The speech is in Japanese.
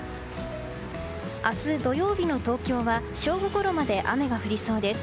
明日、土曜日の東京は正午ごろまで雨が降りそうです。